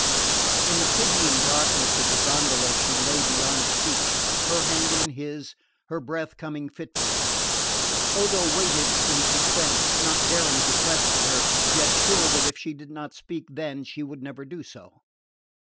In the pitying darkness of the gondola she lay beyond speech, her hand in his, her breath coming fitfully. Odo waited in suspense, not daring to question her, yet sure that if she did not speak then she would never do so.